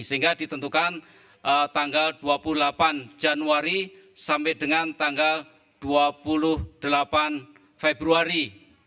sehingga ditentukan tanggal dua puluh delapan januari sampai dengan tanggal dua puluh delapan februari dua ribu dua puluh